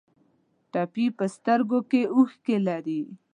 ټپي په سترګو کې اوښکې لري.